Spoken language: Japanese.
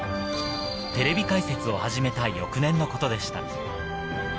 テレビ解説を始めた翌年のことでした。